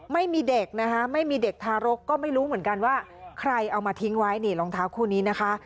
ไม่มีเด็กทารกก็ไม่รู้เหมือนกันว่าใครเอามาทิ้งไว้รองเท้าคู่นี้นะคะ